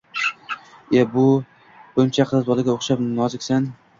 E-e, buncha qizbolaga oʻxshab noziksan.